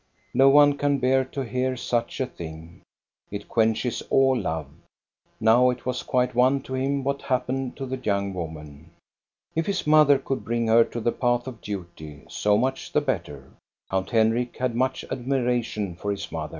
No can bear to hear such a thing. It quenches all love. Now it was quite one to him what happened to the young woman. If his mother could bring her to the path of duty, so much the better, Count Hen rik had much admiration for his mother.